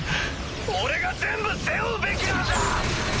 俺が全部背負うべきなんだ！